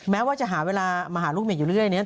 แม้ว่าจะหาเวลามาหาลูกเหม็นอยู่เรื่อยอย่างนี้